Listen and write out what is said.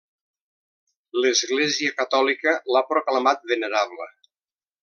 L'Església Catòlica l'ha proclamat venerable.